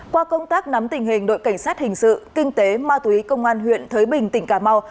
qua công tác nắm tình hình đội cảnh sát hình sự kinh tế ma túy công an huyện thới bình tỉnh cà mau